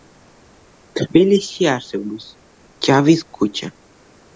თბილისში არსებობს ჯავის ქუჩა.